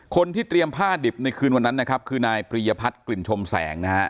คนที่เตรียมผ้าดิบในคืนวันนั้นคือนายปรียพัฒน์กลิ่นชมแสง